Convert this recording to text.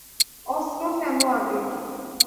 অস্ত্র ফেলো আগে!